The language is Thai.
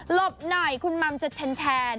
บหน่อยคุณมัมจะแทน